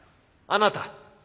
あなた。